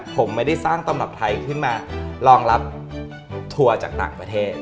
ผมไม่ได้สร้างตำรับไทยขึ้นมารองรับทัวร์จากต่างประเทศ